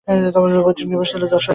পৈতৃক নিবাস ছিল যশোরে।